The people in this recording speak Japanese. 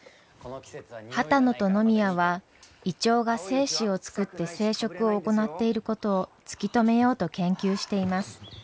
波多野と野宮はイチョウが精子を作って生殖を行っていることを突き止めようと研究しています。